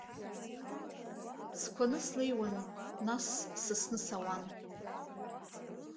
Сқәаны слеиуан, нас сысны сауан.